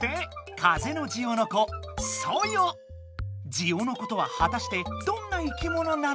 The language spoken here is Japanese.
「ジオノコ」とははたしてどんな生きものなのか？